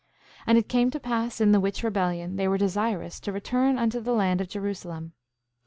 7:7 And it came to pass in the which rebellion, they were desirous to return unto the land of Jerusalem.